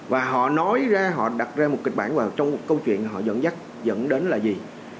và họ nói ra họ đặt ra một kịch bản vào trong một câu chuyện họ dẫn dắt dẫn đến là gì